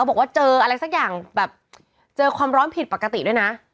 บอกว่าเจออะไรสักอย่างแบบเจอความร้อนผิดปกติด้วยนะ